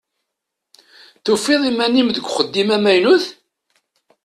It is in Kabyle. Tufiḍ iman-im deg uxeddim amaynut?